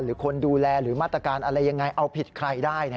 หรือคนดูแลหรือมาตรการอะไรยังไงเอาผิดใครได้